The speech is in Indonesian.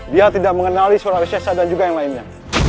dia tidak mengenali suara besi sadar juga yang lainnya